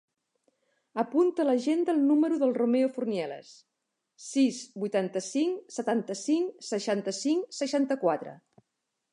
Apunta a l'agenda el número del Romeo Fornieles: sis, vuitanta-cinc, setanta-cinc, seixanta-cinc, seixanta-quatre.